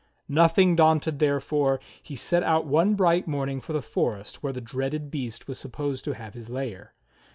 Nothing daunted, therefore, he set out one bright morning for the forest where the dreaded beast was supposed to have his lair.